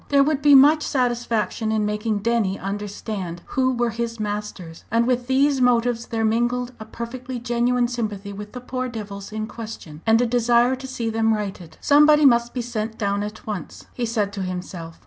There would be much satisfaction in making Denny understand who were his masters. And with these motives there mingled a perfectly genuine sympathy with the "poor devils" in question, and a desire to see them righted. "Somebody must be sent down at once," he said to himself.